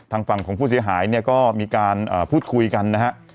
ทางฝั่งของผู้เสียหายเนี่ยก็มีการพูดคุยกันนะฮะ